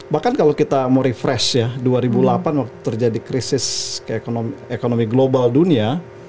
bahkan kalau kita mau refresh ya dua ribu delapan waktu terjadi krisis ekonomi global dunia